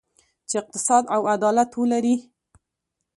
چې اقتصاد او عدالت ولري.